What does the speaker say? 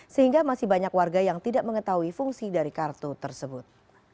sehingga masih banyak warga yang tidak mengetahui fungsi dari kartu tersebut